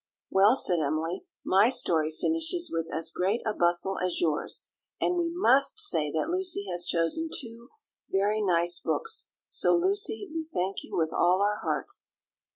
"Well," said Emily, "my story finishes with as great a bustle as yours; and we must say that Lucy has chosen two very nice books; so, Lucy, we thank you with all our hearts."